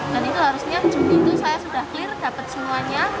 dan itu harusnya juni itu saya sudah clear dapat semuanya